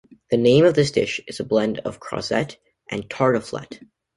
The name of this dish is a blend of "crozet" and "tartiflette".